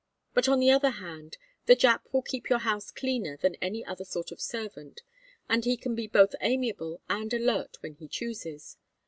But on the other hand the Jap will keep your house cleaner than any other sort of servant, and he can be both amiable and alert when he chooses.